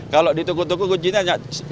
kalau ditukuk tukuk kuncinya hanya